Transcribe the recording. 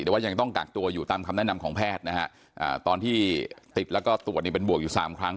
แต่ว่ายังต้องกักตัวอยู่ตามคำแนะนำของแพทย์นะฮะตอนที่ติดแล้วก็ตรวจเนี่ยเป็นบวกอยู่๓ครั้ง